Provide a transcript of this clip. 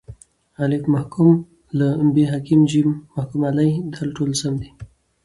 الف: محکوم له ب: حاکم ج: محکوم علیه د: ټوله سم دي